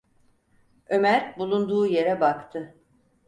Ömer bulunduğu yere baktı.